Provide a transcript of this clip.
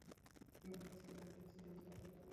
কেউ আমার কাছ থেকে আমার জিনিস ছিনিয়ে নিতে পারবে না, বাবা।